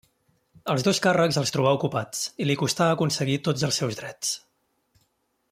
Els dos càrrecs els trobà ocupats i li costà aconseguir tots els seus drets.